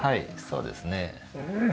そうですね。